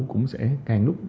cũng sẽ càng núp